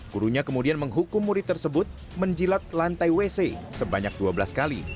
gurunya kemudian menghukum murid tersebut menjilat lantai wc sebanyak dua belas kali